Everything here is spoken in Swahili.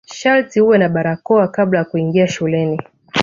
Sharti uwe na barakoa kabla kuingia shuleni.